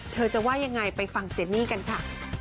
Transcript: เธอจะว่ายังไงไปฟังเจนี่กันค่ะ